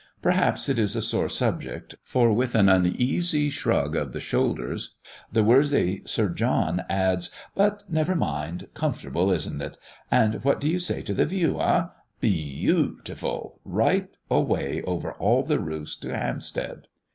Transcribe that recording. Perhaps it is a sore subject, for, with an uneasy shrug of the shoulders, the worthy Sir John adds: "But never mind. Comfortable, isn't it? And what do you say to the view, eh? Beau ti ful! right away over all the roofs to Hampstead!"